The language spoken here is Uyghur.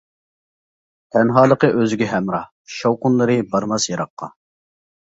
تەنھالىقى ئۆزىگە ھەمراھ شاۋقۇنلىرى بارماس يىراققا.